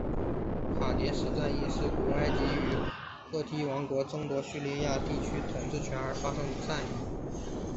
卡迭石战役是古埃及与赫梯王国争夺叙利亚地区统治权而发生的战役。